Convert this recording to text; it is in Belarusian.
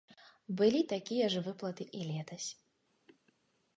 Былі такія ж выплаты і летась.